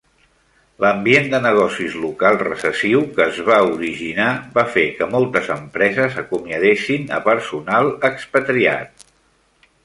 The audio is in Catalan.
L'ambient de negocis local recessiu que es va originar va fer que moltes empreses acomiadessin a personal expatriat.